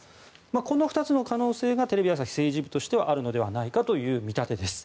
この２つの可能性がテレビ朝日政治部としてあるのではないかという見立てです。